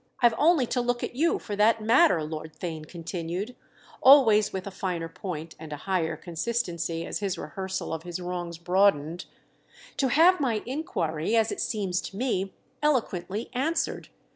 I've only to look at you, for that matter," Lord Theign continued—always with a finer point and a higher consistency as his rehearsal of his wrongs broadened—"to have my inquiry, as it seems to me, eloquently answered.